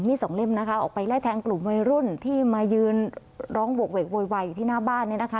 สองเล่มนะคะออกไปไล่แทงกลุ่มวัยรุ่นที่มายืนร้องโหกเวกโวยวายอยู่ที่หน้าบ้านเนี่ยนะคะ